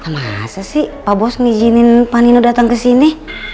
masa sih pak bos ngijinin pak nino datang kesini